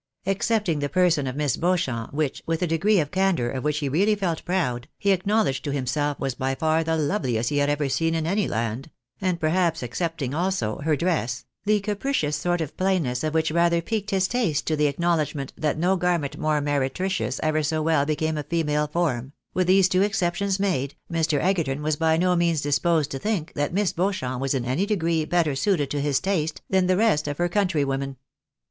Excepting the person of Miss Beauchamp, which, with a degree of candour of which he really felt proud, he acknowledged to him self was by far the loveliest he had ever seen in any land ; and, perhaps, excepting also, her dress (the capricious sort of plainness of which rather piqued his taste to the acknowledgment that no garment more meretricious ever so well became a female form) ; with these two exceptions made, Mr. Egerton was by no means disposed to think that ]\liss Beauchamp was in any degree better suited to his taste than the rest of her countrywomen.